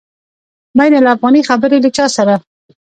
بین الافغاني خبري له چا سره؟